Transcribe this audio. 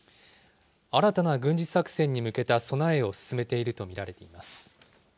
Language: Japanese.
新たな軍事作戦に向けた備えを進めていると見られています。